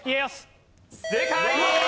正解！